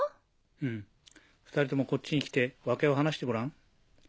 うん２人ともこっちに来て訳を話してごらん。